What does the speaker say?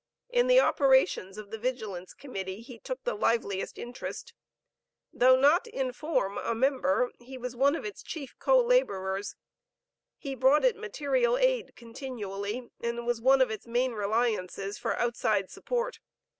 In the operations of the Vigilance Committee he took the liveliest interest. Though not in form a member he was one of its chief co laborers. He brought it material aid continually, and was one of its main reliances for outside support.